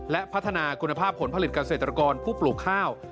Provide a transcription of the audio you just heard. และพัฒนาคุณภาพผลผลิตเกษตรกรผู้ปลูกข้าว